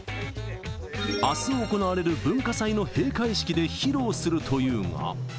あす行われる文化祭の閉会式で披露するというが。